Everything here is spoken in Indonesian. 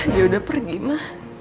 dia udah pergi ma